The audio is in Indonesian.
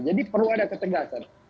jadi perlu ada ketegasan